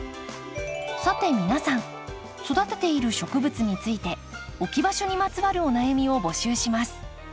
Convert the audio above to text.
さて皆さん育てている植物について置き場所にまつわるお悩みを募集します。